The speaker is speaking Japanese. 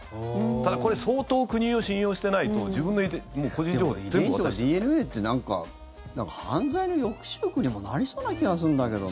ただ、これ相当、国を信用してないとでも遺伝子とかＤＮＡって犯罪の抑止力にもなりそうな気がするんだけどな。